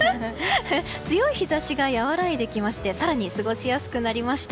強い日差しが和らいできまして更に過ごしやすくなりました。